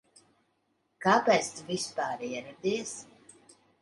Kāpēc tu vispār ieradies?